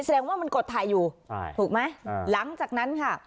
แสดงว่ามันกดถ่ายอยู่ใช่ถูกไหมหลังจากนั้นค่ะ